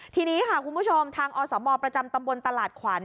ทีนี้ค่ะคุณผู้ชมทางอสมประจำตำบลตลาดขวัญ